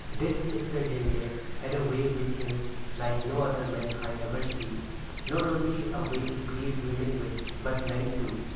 This Mr. Linley had a way with him like no other man I ever see; not only a way to please women with, but men too.